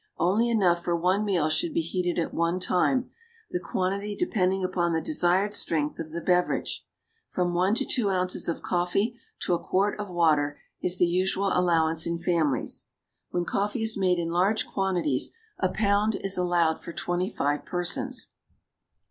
Only enough for one meal should be heated at one time, the quantity depending upon the desired strength of the beverage; from one to two ounces of coffee to a quart of water is the usual allowance in families. When coffee is made in large quantities a pound is allowed for twenty five persons.